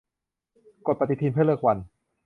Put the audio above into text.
กดปฏิทินเพื่อเลือกวัน